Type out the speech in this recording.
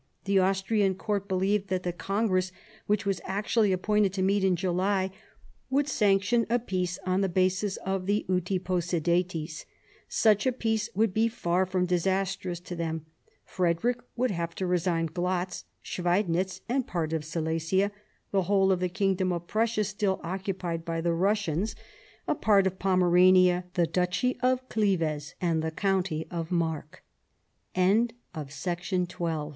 The Austrian court believed that the congress, which was actually appointed to meet in July, would sanction a peace on the basis of the " Uti possidetis." Such a peace would be far from disastrous to them. Frederick would have to resign Glatz, Schweidnitz, and part of Silesia, the whole of the kingdom of Prussia still occupied by the Russians, a part of 176 MARIA THERESA chap, viii Pomerania, the